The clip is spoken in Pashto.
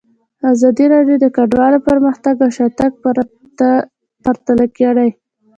ازادي راډیو د کډوال پرمختګ او شاتګ پرتله کړی.